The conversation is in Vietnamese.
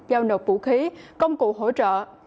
giao nộp vũ khí công cụ hỗ trợ